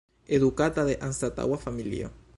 Edukata de anstataŭa familio.